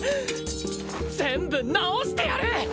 全部治してやる！